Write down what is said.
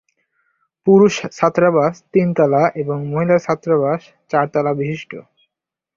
পুরুষ ছাত্রাবাস তিনতলা এবং মহিলা ছাত্রাবাস চারতলা বিশিষ্ট।